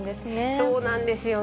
そうなんですよね。